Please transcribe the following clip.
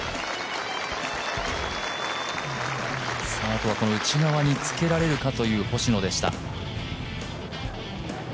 あとは内側につけられるかという星野でした。